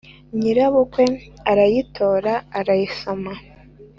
nyirabukwe arayitora arayisoma